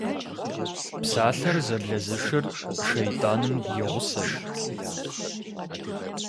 Псалъэр зэблэзышыр шэйтӏаным и гъусэщ.